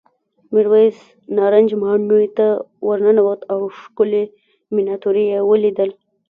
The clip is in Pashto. میرويس نارنج ماڼۍ ته ورننوت او ښکلې مېناتوري یې ولیدل.